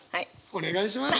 お願いします。